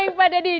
baik pak deddy